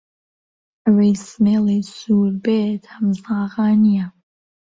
ئهوهی سمێڵی سوور بێت ههمزاغا نیه